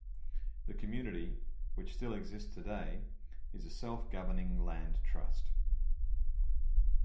The community, which still exists today, is a self-governed land trust.